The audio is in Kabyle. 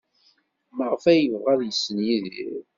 Maɣef ay yebɣa ad yessen Yidir?